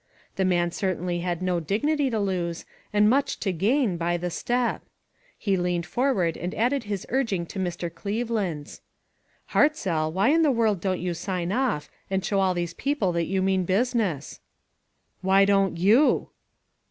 The man cer tainly had no dignity to lose, and much to gain, by the step. He leaned forward and added his urging to Mr. Cleveland's :" Hartzell, why in the world don't you sign off, and show all these people that you mean business ?" "Why don't you?"